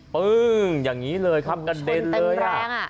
ปึ้งอย่างนี้เลยครับกระเด็นเลย